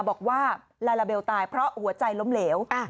บอกว่าลาลาเบลตายเพราะหัวใจล้มเหลว